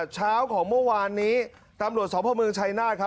เช้าของเมื่อวานนี้ตำรวจสพเมืองชัยนาธครับ